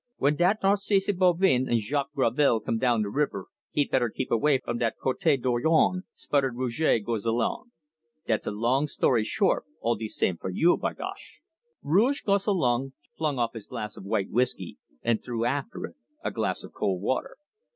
When dat Narcisse Bovin and Jacques Gravel come down de river, he better keep away from dat Cote Dorion," sputtered Rouge Gosselin. "Dat's a long story short, all de same for you bagosh!" Rouge Gosselin flung off his glass of white whiskey, and threw after it a glass of cold water.